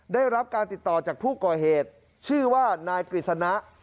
ได้รับการติดต่อจากผู้ก่อเหตุชื่อว่านายกฤษณะ